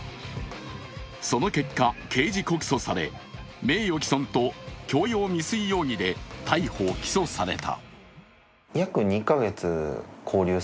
その結果、刑事告訴され名誉毀損と強要未遂容疑で逮捕・起訴された。